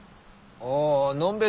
ああのんべえ